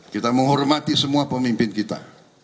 kita menghormati semua pemimpin kita